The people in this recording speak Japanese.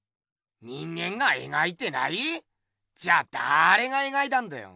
人間がえがいてない⁉じゃだれがえがいたんだよ。